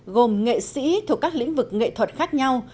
gồm nghệ sĩ thuộc các lĩnh vực nghệ thuật khác nhau